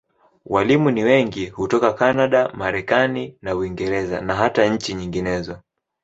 Walimu ni wengi hutoka Kanada, Marekani na Uingereza, na hata nchi nyinginezo.